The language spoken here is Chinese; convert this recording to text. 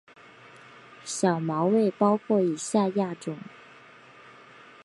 小毛猬包括以下亚种